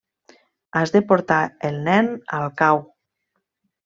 Has de portar el nen al cau.